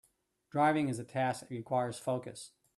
Driving is a task that requires focus.